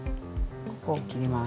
ここを切ります。